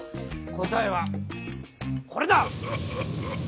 答えはこれだ！